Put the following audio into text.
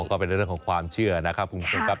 ก็เป็นเรื่องของความเชื่อนะครับคุณผู้ชมครับ